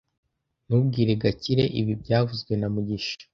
Ntubwire Gakire ibi byavuzwe na mugisha